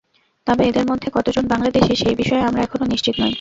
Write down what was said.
তবে এদের মধ্যে কতজন বাংলাদেশি, সেই বিষয়ে আমরা এখনো নিশ্চিত নই।